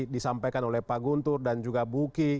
disampaikan oleh pak guntur dan juga buki